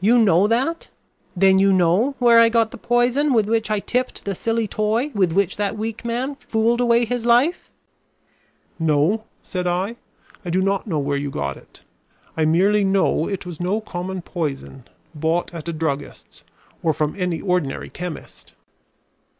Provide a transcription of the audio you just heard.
"You know that? Then you know where I got the poison with which I tipped the silly toy with which that weak man fooled away his life?" "No," said I, "I do not know where you got it. I merely know it was no common poison bought at a druggist's, or from any ordinary chemist."